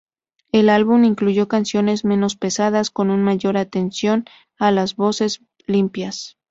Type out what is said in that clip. El álbum incluyó canciones menos pesadas, con una mayor atención a las voces limpias.